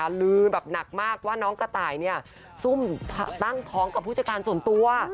ต้องลืดแบบหนักมากว่าน้องกระไตนี้ซุ่มตั้งทองกับผู้จัดการส่วนตัว